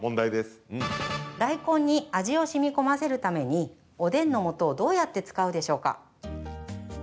大根に味をしみこませるためにおでんのもとをどうやって使うでしょうか？